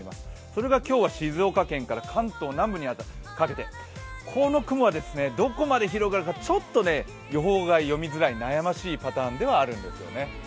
それが今日は静岡県から関東南部にかけて、この雲がどこまで広がるか、ちょっと予報が読みづらい悩ましいパターンではあるんですよね。